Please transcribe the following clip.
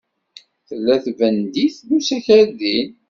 Tella tenbeddit n usakal din.